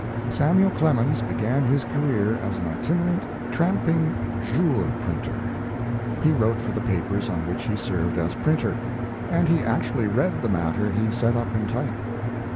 Samuel Clemens began his career as an itinerant, tramping "jour" printer. He wrote for the papers on which he served as printer; and he actually read the matter he set up in type.